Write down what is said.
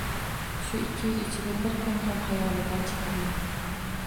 Shu ikki yil ichida bir kun ham xayolidan chiqarmadi.